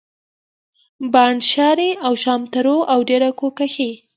بانډ شاري او شامتوره او ډېره کو کښي